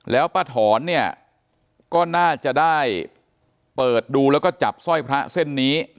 แล้วป้าถอนเนี่ยก็น่าจะได้เปิดดูแล้วก็จับสร้อยพระเส้นนี้